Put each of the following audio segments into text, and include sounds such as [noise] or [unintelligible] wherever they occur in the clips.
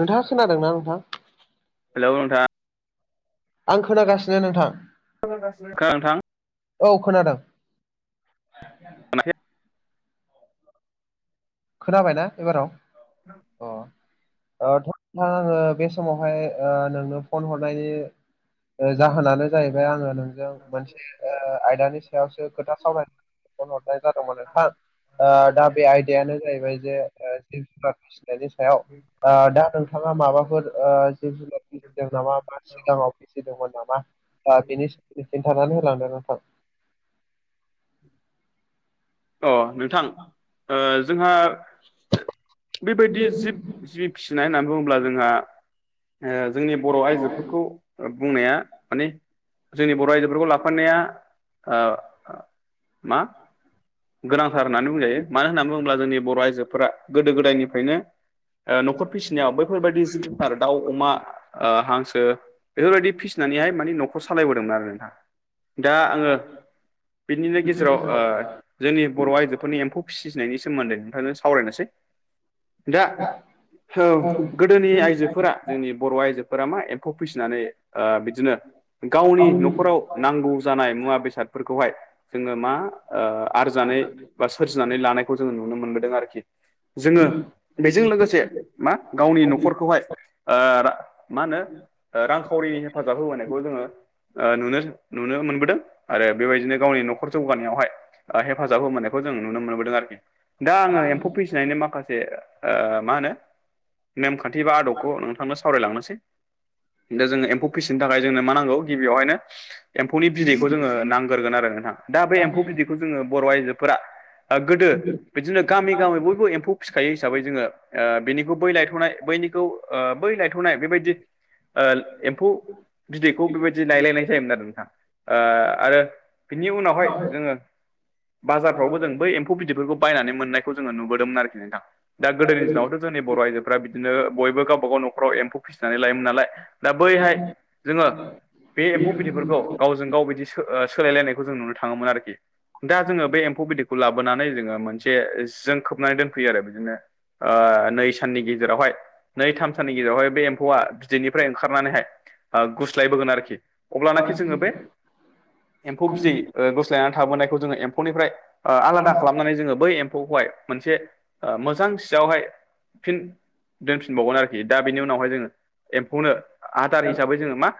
नोंथाङा खोनादोंना नोंथां हेल' नोंथां आं खोनागासिनो नोंथां नोंथां औ खोनादों [inaudible] खोनाबायना एबाराव [inaudible] थां आङो बे समावहाय नोंनो फन हरनायनि जाहोनानो जाहैबाय आङो नोंजों मोनसे आयदानि सायावसो खोथा सावराय न हरनाय जादोंमोन नोंथां दा बे आयदायानो जाहैबाय जे जि जुन नि सायाव दा नोंथाङा माबाफोर जिब जुनारनि सायाव [unintelligible] [unintelligible] नामा दा बेनि सोमोन्दै खिन्थानानै होलांदों नोंथां [inaudible] अ नोंथां जोंहा बेबायदि जिब जि फिनाय होननानै बुङोब्ला जोंहा ओ जोंनि बर' आइजोफोरखौ बुंनाया माने जोंनि बर' आइजोफोरखौ लाफानाया ओ मा गोनांथार होननानै बुंजायो मानो होननानै बुङोब्ला जोंनि बर' आइजोफोरा गोदो गोदायनिफ्रायनो ओ न'खर फिसिनायाव बैफोरबायदि जिब जुनाद दाउ अमा ओ हांसो बेफोरबायदि फिसिनानैहाय माने न'खौ सालायबोदोंमोन आरो नोंथा दा आङो बिनिनो गेजेराव ओ जोंनि बर' आइ जोफोरनि एम्फौ फिसिनायनि सोमोन्दै नोंथांजों सावरायनोसै दा हौ गोदोनि आइजोफोरा जोंनि बर' आइजोफोरा मा एम्फौ फिसिनानै आ बिदिनो गावनि न'खराव नांगौ जानाय मुवा बेसादफोरखौहाय जोङो मा ओ आरजानै बा सोरजिनानै लानायखौ जोङो नुनो मोनबोदों आरखि जोङो बेजों लोगोसे मा गावनि न'खरखौहाय ओ रा मा होनो रांखावरिनि हेफाजाब होबोनायखौ जोङो ओ नुनो नुनो मोनबोदों आरो बेबायदिनो गावनि न'खर जौगानायावहाय आ हेफाजाब होबोनायखौ जों नुनो मोनबोदों आरोखि दा आङो एम्फौ फिसिनायनि माखासे ओ मा होनो नेमखान्थि बा आदबखौ नोंथांनो सावरायलांनोसै दा जोङो एम्फौ फिसिनो थाखाय जोंनो मा नांगौ गिबियावहायनो एम्फौनि बिदैखौ जोङो नांग्रोगोन आरो नोंथां दा बे एम्फौ बिदिखौ जोङो बर' आइजोफोरा आ गोदो बिदिनो गामि गामि बयबो एम्फौ फिखायो हिसाबै जोङो ओ बिनिखौ बै लायथ'खौ बैनिखौ ओ बै लायथ'खौ नाय बेबायदि ओल एम्फौ बिदैखौ बिबायदि नायलायनाय जायोमोन आरो नोंथां ओ आरो बिनि उनावहाय जोङो बाजारफ्रावबो जों बै एम्फौ बिदिरफोरखौ बायनानै मोननायखौ जोङो नुबोदोंमोन आरोखि नोंथां दा गोदोनि दिनावथ' जोंनि बर' आइजोफ्रा बिदिनो बयबो गावबागाव न'खराव एम्फौ फिसिनानै लायोमोन नालाय दा बैहाय जोङो बे एम्फौ बिदैफोरखौ गावजों गाव बिदि सो सोलायलायनायखौ जों नुनो थाङोमोन आरोखि दा जोङो बे एम्फौ बिदैखौ लाबोनानै जोङो मोनसे जों खोबनानै दोनफैयो आरो बिदिनो आ नै साननि गेजेरावहाय नै थाम साननि गेजेरावहाय बे एम्फौआ बिदैनिफ्राय ओंखारनानैहाय गुस्लायबोगोन आरोखि अब्लानाखि जोङो बे एम्फौ बिदै ओ गुस थ्लायनानै थाबोनायखौ जोङो एम्फौनिफ्राय ओ आलादा खालामनानै जोङो बै एम्फौखौहाय मोनसे ओ मोजां सियावहाय फिन दोनफिनबावगोन आरोखि दा बिनि उनावहाय जोङो एम्फौनो आदार हिसाबै जोङो मा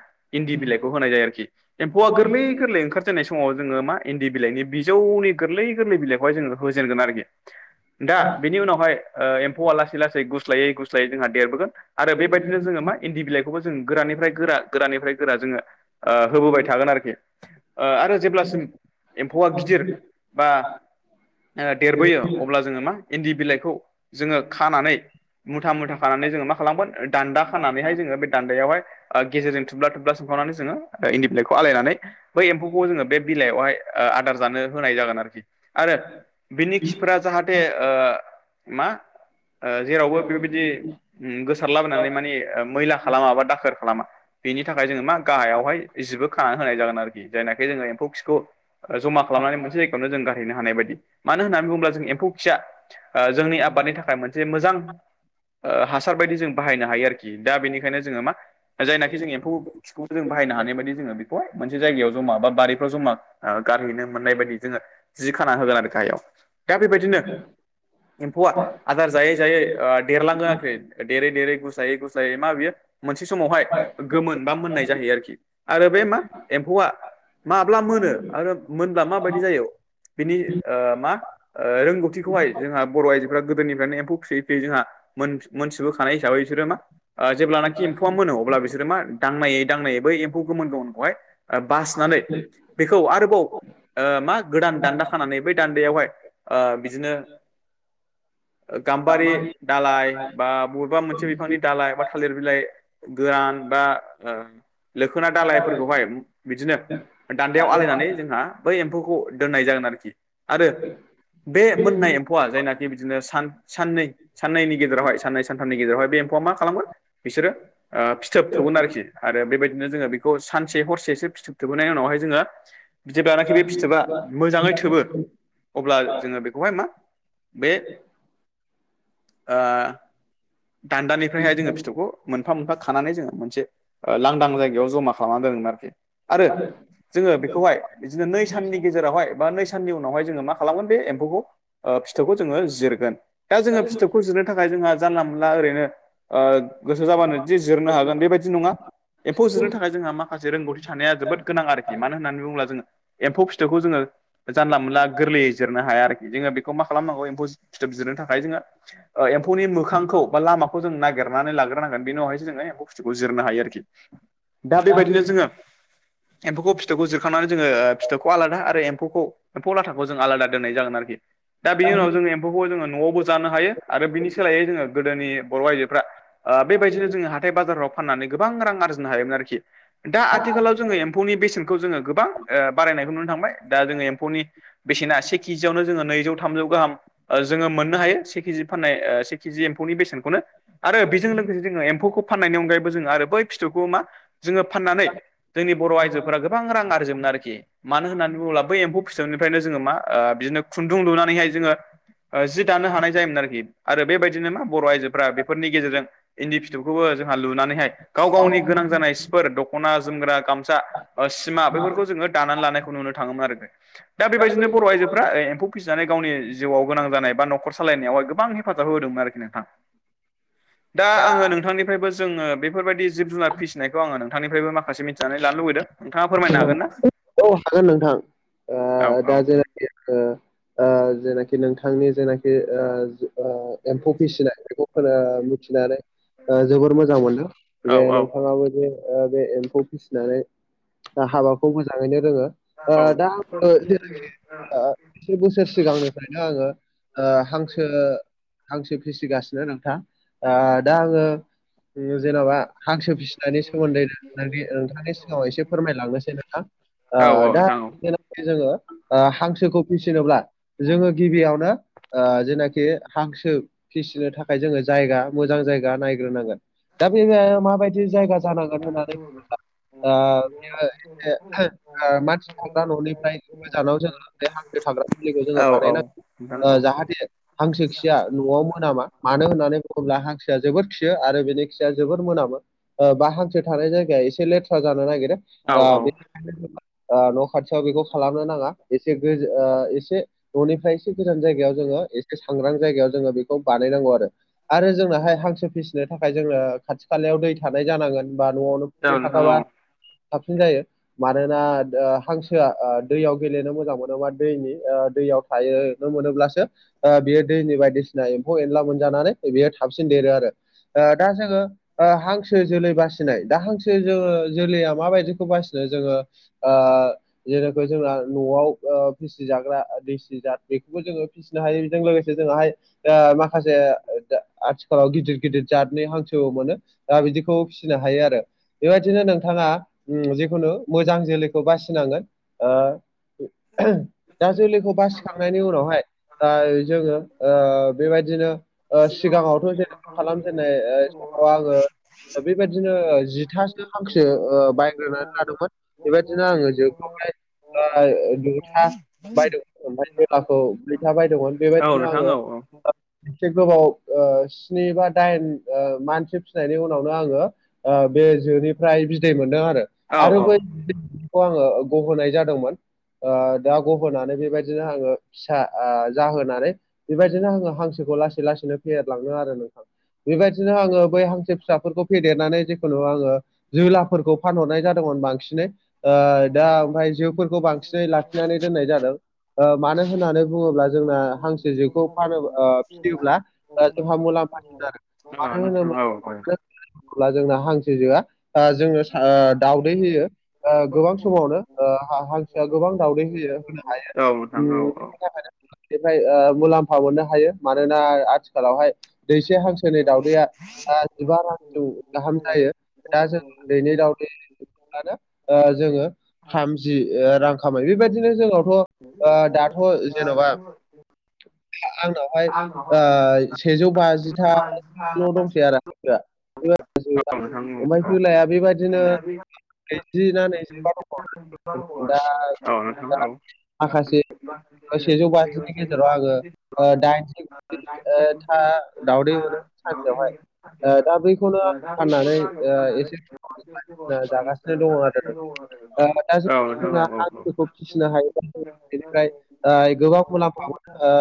इन्दि बिलाइखौ होनाय जायो आरोखि एम्फौआ गोरलै गोरलै ओंखारजायनाय समाव जोङो मा इन्दि बिलाइनि बिजौनि गोरलै गोरलै बिलाइखौहाय जोङो होजेनगोन आरोखि दा बिनि उनावहाय ओ एम्फौया लासै लासै गुस्लायै गुस्लायै जोंहा देरबोगोन आरो बेबायदिनो जोङो मा इन्दि बिलाइखौबो जों गोरानिफ्राय गोरा गोरानिफ्राय गोरा जोङो आ होबोबाय थागोन आरोखि ओ आरो जेब्लासिम एम्फौआ गिदिर बा ओ देरबोयो अब्ला जोङो मा इन्दि बिलाइखौ जोङो खानानै मुथा मुथा खानानै जोङो मा खालामगोन दान्दा खानानैहाय जोङो बे दान्दायावहाय ओ गेजेरजों थुब्ला थुब्ला सिंखावनानै जोङो इन्दि बिलाइखौ आलायनानै बै एम्फौखौ जोङो बे बिलाइयावहाय ओ आदार जानो होनाय जागोन आरोखि आरो बिनि खिफोरा जाहाथे ओ मा ओ जेरावबो बेबिदि उम गोसारलाबोनानै माने मैला खालामा बा दाखोर खालामा बिनि थाखाय जोङो मा गाहायावहाय जिबो खानानै होनाय जागोन आरोखि जायनाखि जोङो एम्फौ खिखौ जमा खालामनानै मोनसे जायगायावनो जों गारहैनो हानाय बायदि मानो होननानै बुङोब्ला जों एम्फौ खिया ओ जोंनि आबादनि थाखाय मोनसे मोजां ओ हासार बायदि जों बाहायनो हायो आरोखि दा बेनिखायनो जोङो मा जायनाखि जों एम्फौ खिखौ जों बाहायनो हानाय बायदि जोङो बेखौ मोनसे जायगायाव जमा बा बारिफ्राव जमा ओ गारहैनो मोननाय बायदि जोङो जि खाना होगोन आरो गाहायाव दा बे बायदिनो एम्फौआ आदार जायै जायै ओ देरलांङो आरोखि। देरै देरै गुस्लायै‌ गुस्लायै‌ मा बेयो मोनसे समावहाय गोमोन बा मोननाय जाहैयो आरोखि आरो बे मा एम्फौआ माब्ला मोनो आरो मोनब्ला माबायदि जायो बिनि ओ मा ओ रोंगौथिखौहाय जोंहा बर' आइजोफ्रा गोदोनिफ्रायनो एम्फौ फियै बेजोंहा मोन‌-मोनथिबोखानाय हिसाबै बिसोरो मा ओ जेब्लानाखि एम्फौआ मोनो अब्ला बिस सोरो मा दांनायै दांनायै बै एम्फौ गोमोन गोमोनखौहाय ओ बांसिनानै खौ आरोबाव ओ मा गोदान दान्दा खानानै बै दान्दायावहाय ओ बिदिनो ओ गाम्बारि दालाय बा बबेबा मोनसे बिफांनि दालाय बा थालिर बिलाइ गोआन बा ओ लोखोना दालायफोरखौहाय बिदिनो बेव‌ आलायनानै जोंहा बै एम्फौखौ दोननाय जागोन आरोखि आरो बे मोननाय एम फौवा जायनाखि बिदिनो सान‌ साननै साननैनि गेजेरावहाय साननै सानथामनि गेजेरावहाय बे एम्फौआ मा खालामगोन बिसोरो ओ फिथोब थोबगोन आरोखि आरो बेबायदिनो जोङो बेखौ सानसे हरसेसो फिथोब थोबहोनाय उनावहाय जोङो जेब्लानाखि बे फिथोबा मोजाङै थोबो अब्ला जोङो बेखौहाय मा बे ओ दान्दानिफ्रायहाय जोङो फिथौबखौ मोनफा मोनफा खानानै जोङो मोनसे ओ लांदां जायगायाव जमा खालामनानै दोनगोन आरोखि। आरो [unintelligible] जोङो बेखौहाय बिदिनो नै साननि गेजेरावहाय बा नै साननि उनावहाय जोङो मा खालामगोन बे एम्फौखौ ओ फिथोबखौ जोङो जिरगोन दा जोङो फिथोबखौ जिरनो थाखाय जोंहा जानला मानला ओरैनो ओ गोसो जाबानो दि जिरनो हागोन बेबायदि नङा। एमफौ जिरनो थाखाय जोंहा मा माखासे रोंगौथि थानाया जोबोद गोनां आरोखि मानो होननानै बुङोब्ला जोङो एम्फौ फिथोबखौ जोङो जानला मानला गोरलैयै जिरनो हाया आरोखि जोङो बेखौ मा खालामनांगौ एम्फौ फिथोब जिरनो थाखाय जोङो ओ एम्फौनि मोखांखौ बा लामाखौ जों नागेरनानै लागोरनांगोन बेनि उनावहायसो जोङो एम्फौ फिथोबखौ जिरनो हायो आरोखि। दा बेबायदिनो जोङो एम्फौखौ फिथोबखौ जिरखांनानै जोङो फिथोबखौ आलादा आरो एम्फौखौ एम्फौ लाथाखौ जों आलादा दोननाय जागोन आरोखि। दा बिनि उनाव जोङो एम्फौखौ जोङो न'आवबो जानो हायो आरो बिनि सोलायै जोङो गोदोनि बर' आइजोफ्रा ओ बेबायदिनो जोङो हाथाय बाजाराव फाननानै गोबां रां आरजिनो हायोमोन आरोखि दा आथिखालाव जोङो एम फौनि बेसेनखौ जोङो गोबां ओ बारायनायखौ नुनो थांबाय दा जोङो एम्फौनि बेसेना से केजियावनो जोङो नैजौ थामजौ गाहाम ओ जोङो मोननो हायो से केजि फाननाय ओ से केजि एम फौनि बेसेनखौनो आरो बेजों लोगोसे जोङो एम्फौखौ फाननायनि अनगायैबो जोङो आरो बै फिथोबखौ मा जोङो फाननानै जोंनि बर' आइजोफोरा गोबां रां आरजियोमोन आरोखि मानो होननानै बुङोब्ला बै एम्फौ फिथोबनिफ्रायनो जोङो मा ओ बिदिनो खुन्दुं लुनानैहाय जोङो ओ जि दानो हानाय जायोमोन आरोखि आरो बे बायदिनो मा बर' आइजोफ्रा बेफोरनि गेजेरजों इन्दि फिथोबखौबो जोंहा लुनानैहाय गाव गावनि गोनां जानाय सिफोर द खना जोमग्रा गामसा ओ सिमा बैफोरखौ जोङो दानानै लानायखौ नुनो थाङोमोन आरो। दा बेबायदिनो बर' आइजोफ्रा ओ एम्फौ फिसिनानै गावनि जिउआव गोनां जानाय बा न'खर सालायनायावहाय गोबां हेफाजाब होदोंमोन आरोखि नों थां दा आङो नोंथांनिफ्रायबो जोङो बेफोरबायदि जिब जुनार फिसिनायखौ आङो नोंथांनिफ्रायबो माखासे मिथिनानै लानो लुबैदों। नोंथाङा फोरमायनो हागोन ना औ औ हागोन नोंथां ओ औ औ दा जों ओ ओ जेनाखि नोंथांनि जेनाखि ओ ओ एम्फौ फिसिनाय बेखौ खोना मिथिनानै ओ जोबोर मोजां मोनदों औ जे नोंथाङाबो जे ओ बे एम्फौ फिसिनानै हाबाखौ मोजाङैनो रोङो ओ दा [inaudible] [unintelligible] बोसोर सिगांनिफ्रायनो आङो ओ हांसो हांसो फिसिगासिनो नोंथां आ दा आङो जेन'बा हांसो फिसिनायनि सोमोन्दै नोंथांनि नोंथांनि सिगाङाव एसे फोरमायलांनोसै नोंथां ओ औ औ दा नोंथां जेनाखि जोङो हांसोखौ फिसिनोब्ला जोङो गिबियावनो ओ जेनाखि हांसो फिसिनो थाखाय जोङो जायगा मोजां जायगा नायग्रोनांगोन दा बे [unintelligible] माबायदि जायगा जानांगोन होननानै बुङोब्ला ओ ओ एसे ओ मानसि थाग्रा ननिफ्राय गोजानाव जोङो बे हांसो थाग्राखुलिखौ औ जोङो औ नोंथां बानायनांगौ औ जाहाथे हांसो खिया न'आव मोनामा मानो होननानै बुङोब्ला हांसोआ जोबोर खियो आरो बेनि खिया जोबोर मोनामो ओ बा हांसो थानाय जायगाया एसे लेथ्रा जानो नागिरो औ ओ [unintelligible] ओ न' खाथियाव बेखौ खालामनो नाङा एसे गोज एसे ननिफ्राय एसे गोजान जायगायाव जोङो एसे‌ सांग्रां जायगायाव जोङो बेखौ बानायनांगौ आरो आरो जोंनाहाय हांसो फिसिनो थाखाय जोङो खाथि खालायाव दै थानाय जानांगोन बा न'आवनो फुख्रि नोंथां औ थाखाबा नोंथां औ साबसिन जायो मानोना ओ हांसोआ ओ दैयाव गेलेनो मोजां मोनोबा दैनि ओ दैयाव हायो मोनोब्लासो ओ बेयो दैनि बायदिसिना एम्फौ एनला मोनजानानै बेयो थाबसिन देरो आरो दा जोङो ओ हांसो जोलै बासिनाय दा हांसो जो-जोलैया माबायदि बिदिखौ‌ बासिना जोङो ओ जेनेखि जोङा न'आव ओ फिसिजाग्रा दिसि जाद बेखौबो जोङो फिसिनो हायो बेजों लोगोसे जोंहाय ओ माखासे आथिखालाव गिदिर गिदिर जात हांसो मोनो दा बिदिखौ फिसिनो हायो आरो बेबायदिनो नोंथाङा ओम जिखुनु मोजां जोलैखौ बासिनांगोन ओ [unintelligible] दा जोलैखौ बासिखांनायनि उनावहाय दा जोङो ओ बेबायदिनो सिगाङावथ' जेनेबा खालामजेननाय ओ आङो बेबायदिनो जि थासो हांसो बाय ग्रोनानै लादोंमोन बेबायदिनो आङो जोखौहाय गुथा बायदोंमोन ओमफ्राय जोलाखौ ब्रैथा बायदोंमोन औ बेबायदिनो नोंथां औ नोंथां औ आङो नोंथां औ नोंथां औ नोंथां औ नोंथां औ औ नोंथां औ एसे गोबाव ओ स्नि बा दाइन ओ मानसो फिसिनायनि उनावनो आङो ओ बे जोनिफ्राय बिदै मोनदों आरो औ औ आरो बैैखौ आङो गहोनाय जादोंमोन ओ दा गहोनानै बेबायदिनो आङो फिसा आ जाहोनानै बेबायदिनो आङो हांसोखौ लासै लासैनो फेहेरलाङो आरो नोंथां बेबायदिनो आङो बै हांसो फिसाफोरखौ फेदेरनानै जेखुनु आङो जोलाफोरखौ फानहरनाय जादोंमोन बांसिनै ओ दा ओमफ्राय जिउफोरखौ बांसिनै लाखिनानै दोननाय जादों ओ मानो होननानै बुङोब्ला जोंना हांसो जेखौ फानो फियोब्ला ओ जोंहा मुलाम्फा जागोन आरो नोंथां [unintelligible] अब्ला जोंना हांसो जोआ ओ जोङो सा दाउदै होयो ओ गोबां समावनो हांसोआ गोबां दाउदै होयो होनो हायो औ नोंथां औ औ बेनिफ्रय ओ मुलाम्फा मोननो हायो मानोना आथिखालावहाय दैसे हांसोनि दाउदैया ओ जिबा रांसिम गाहाम जायो दा जों दैनै दाउदै ओ जोङो थामजि रां खामायो बेबायदिनो जोंनावथ' ओ दाथ' जेन'बा आंनावहाय ओ सेजौ बाजिथासोल' दंसै आरो [unintelligible] ओमफ्राय जोलाया बेबायदिनो नैजि ना नैजिबा [unintelligible] दा माखासे सेजौ बाजिनि गेजेराव आङो ओ दाइनजि [unintelligible] ओ था दाउदै मोनो सानसेयावहाय ओ दा बै खौनोआं फाननानै ओ एसे जागासिनो दङ आरो ना जों-जोंहा हांखौ फिसिनो हायोबा जों बेनिफ्राय गोबां मुलाम्फा मोनो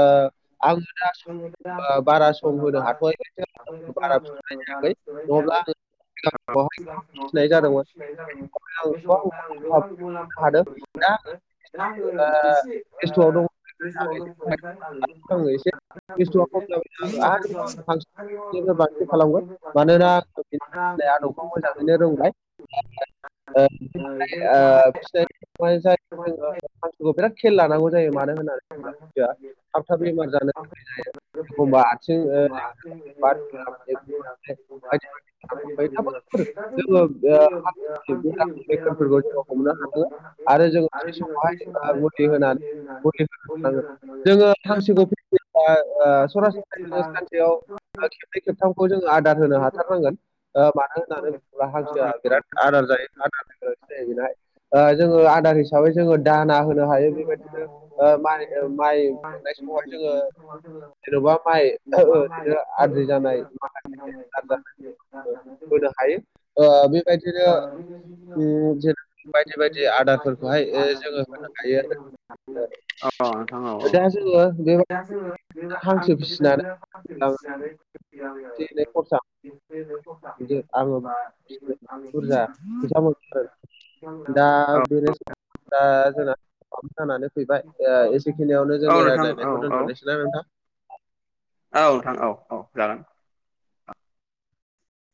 आं नुनो ब बार [inaudible] अ [unintelligible] गोबां सिफायनाय जादोंमोन बे समावहाय आं मुलाम्फा गोबां मुलाम्फा मोननो [inaudible] हादों दा ओ गांगसे [inaudible] खस्थ'आव दङ बस्थुआ खम जाबानो आरो [inaudible] बांसिन खालामगोन मानोना आं बिनि फिसिनाय आदबखौ मोजाङैनो रोंबाय [inaudible] ओ फिथाइ जोङो हांसोखौ बिराद खेल लानांगौ जायो मानो होननानै बुङोब्ला हांसोआ थाब थाब बेमार जानो थाखाय जायो बे ब [unintelligible] [unintelligible] बायदि जों बायदि बेराम कटिनिउ थाफायो। जोङो ओ आ बे आरो बेफोरखौ जोङो हमनो सम हानांगोन आरो जोङो महाय थि समावहाय ओ [unintelligible] मुलि होनानै जोङो थांसेखौ [unintelligible] सरासनस्राय जोङो सानसेयाव खेबनै खेबथामखौ जोङो आदार होनो हाथारनांगोन मानो होननानै बुङोब्ला हांसोआ बिराद आदार जायो आदार जोङो आदार हिसाब हिसाबै जोङो दाना होनो हायो बेबायदि ओ माइ मोननाय समाव जोङो [unintelligible] जेने'बा माइ आद्रि जानाय माखासे [unintelligible] होनो हायो। बेबायदिनो जेर बायदि-बायदि आदारफोरखौहाय जोङो होनो हायो आरो। दा जोङो बे हांसो फिसिनानै [inaudible] आं फिसिनानै एसे एनै खरसा [unintelligible] मोनदों खस्थाहैगोन आङो बा नो फिसिनानै बुरजा [unintelligible] बेरे [unintelligible] दा जोंना जानानै फैबाय ओ एसेखिनियावनो जों रायज्लायनायखौ दोनथ'नोसोय नोंथां। औ नोंथां औ-औ जागोन।